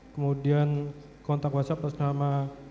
kemudian kontak whatsapp atas nama